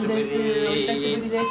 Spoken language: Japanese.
お久しぶりです。